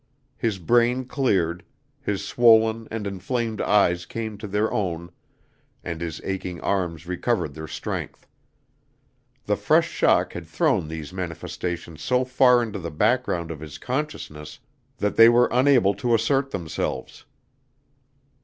His brain cleared, his swollen and inflamed eyes came to their own, and his aching arms recovered their strength. The fresh shock had thrown these manifestations so far into the background of his consciousness that they were unable to assert themselves.